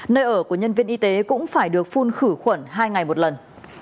nơi ở của nhân viên y tế cũng phải được phun khử khuẩn hai ngày một lần